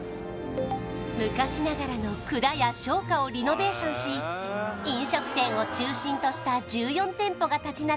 昔ながらの蔵や商家をリノベーションし飲食店を中心とした１４店舗が立ち並ぶ